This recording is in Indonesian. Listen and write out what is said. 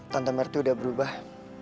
tante mer tuh udah berubah